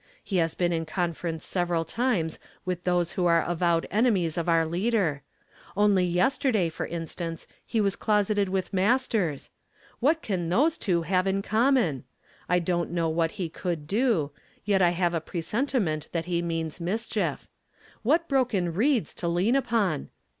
He has been in conference several times with those who are avowed enemies of our Leader. Only yesterday, for instance, he was closeted with Masters. What can those two have in common ? I don't know what he could do, yet I have a presentiment that he means mischief. What broken reeds to lean upon